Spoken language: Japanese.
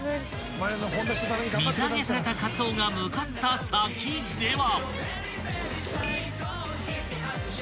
［水揚げされたかつおが向かった先では］